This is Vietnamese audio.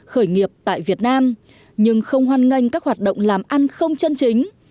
khởi nghiệp tại việt nam nhưng không hoan nghênh các hoạt động làm ăn không chân chính